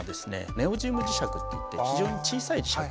ネオジム磁石っていって非常に小さい磁石です。